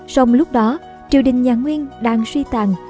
sông lúc đó triều đình nhà nguyên đang suy tàn